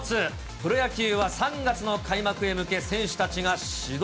プロ野球は３月の開幕へ向け、選手たちが始動。